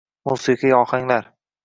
Musiqiy ohanglar